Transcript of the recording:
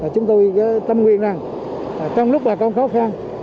chúng tôi tâm nguyện rằng trong lúc bà con khó khăn